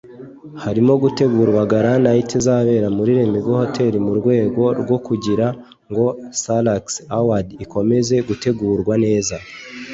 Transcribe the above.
Harimo gutegurwa Gala Night izabera muri Lemigo Hotel mu rwego rwo kugira ngo Salax Award ikomeze gutegurwa neza